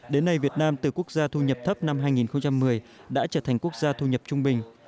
đến nay việt nam từ quốc gia thu nhập thấp năm hai nghìn một mươi đã trở thành quốc gia thu nhập trung bình